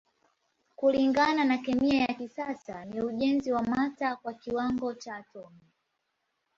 Kulingana na kemia ya kisasa ni ujenzi wa mata kwa kiwango cha atomi.